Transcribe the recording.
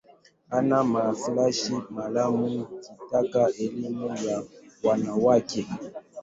Ana maslahi maalum katika elimu ya wanawake.